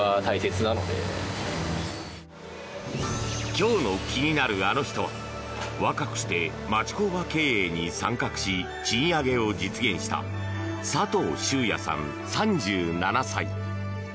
今日の気になるアノ人は若くして町工場経営に参画し賃上げを実現した佐藤修哉さん、３７歳。